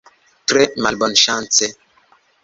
Tre malbonŝance.